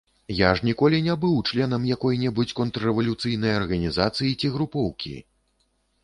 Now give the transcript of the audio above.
Я ж ніколі не быў членам якой-небудзь контррэвалюцыйнай арганізацыі ці групоўкі!